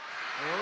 お！